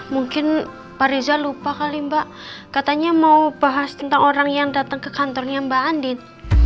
mungkin pak reza lupa kali mbak katanya mau bahas tentang orang yang datang ke kantornya mbak andin